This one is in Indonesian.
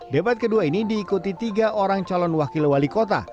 debat kedua ini diikuti tiga orang calon wakil wali kota